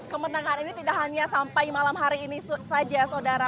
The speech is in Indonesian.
kemenangan ini tidak hanya sampai malam hari ini saja saudara